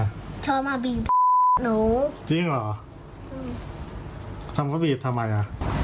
ชอบมาหนูจริงเหรออืมทำก็บีบทำไมล่ะ